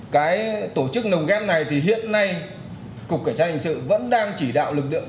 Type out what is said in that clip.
cái tổ chức nồng ghép này thì hiện nay cục cảnh sát hình sự vẫn đang chỉ đạo lực lượng